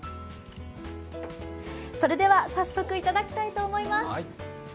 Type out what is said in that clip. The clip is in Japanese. それでは早速頂きたいと思います。